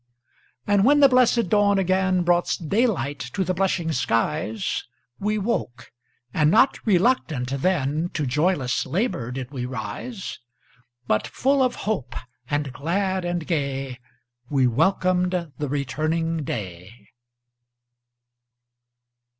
And when the blessed dawn again Brought daylight to the blushing skies, We woke, and not RELUCTANT then, To joyless LABOUR did we rise; But full of hope, and glad and gay, We welcomed the returning day.